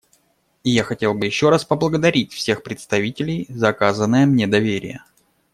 И я хотел бы еще раз поблагодарить всех представителей за оказанное мне доверие.